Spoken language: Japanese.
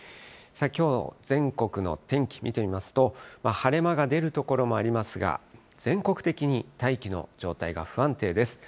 きょうの全国の天気、見てみますと、晴れ間が出る所もありますが、全国的に大気の状態が不安定です。